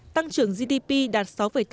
tăng trưởng gdp đạt sáu tám mươi một